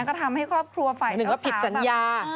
ก็ทำให้ครอบครัวฝ่ายเจ้าสาวหนึ่งว่าผิดสัญญา